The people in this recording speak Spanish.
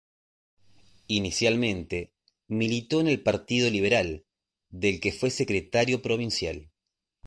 Inicialmente militó en el Partido Liberal, del que fue secretario provincial.